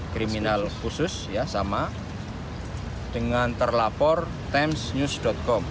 kriminal khusus ya sama dengan terlapor timesnews com